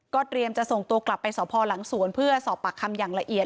เตรียมจะส่งตัวกลับไปสพหลังสวนเพื่อสอบปากคำอย่างละเอียด